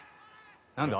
・何だ？